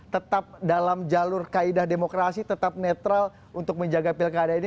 tetap dalam jalur kaidah demokrasi tetap netral untuk menjaga pilih keadaan ini